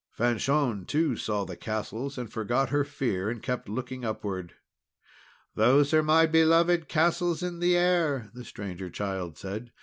Fanchon, too, saw the castles, and forgot her fear, and kept looking upward. "Those are my beloved castles in the air," the Stranger Child said.